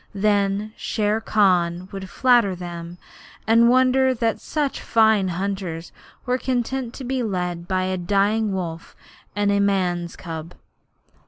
Then Shere Khan would flatter them and wonder that such fine young hunters were content to be led by a dying wolf and a man's cub.